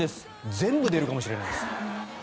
全部出るかもしれないです。